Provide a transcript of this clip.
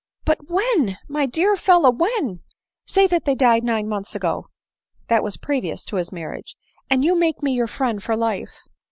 " But when ? my dear fellow !— when ? Say that they died nine months ago, (that was previous to his mar riage) and you make me your friend for life